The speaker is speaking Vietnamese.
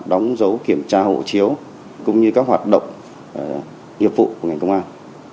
đóng dấu kiểm tra hộ chiếu cũng như các hoạt động nghiệp vụ của ngành công an